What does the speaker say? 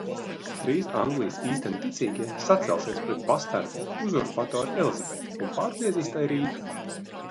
Drīz Anglijas īsteni ticīgie sacelsies pret bastardi uzurpatori Elizabeti un pārgriezīs tai rīkli!